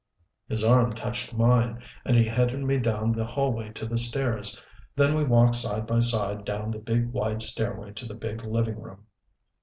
His arm touched mine, and he headed me down the hallway to the stairs. Then we walked side by side down the big, wide stairway to the big living room.